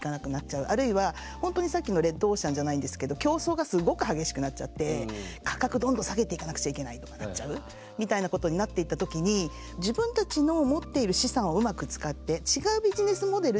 あるいはホントにさっきのレッドオーシャンじゃないんですけど競争がすっごく激しくなっちゃって価格どんどん下げていかなくちゃいけないとかなっちゃうみたいなことになっていった時にバスケでも使うあの